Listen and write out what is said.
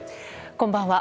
こんばんは。